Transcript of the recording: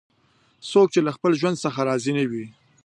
څوک چې له خپل ژوند څخه راضي نه وي